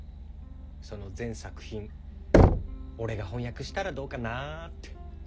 その全作品俺が翻訳したらどうかなって。